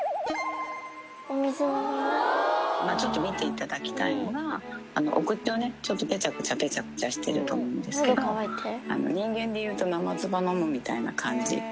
ちょっと見ていただきたいのが、お口をね、ちょっとぺちゃくちゃしてると思うんですけど、人間でいうと、生唾のむみたいな感じ。